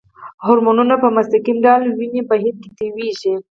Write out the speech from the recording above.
هورمونونه په مستقیم ډول وینې بهیر کې تویېږي.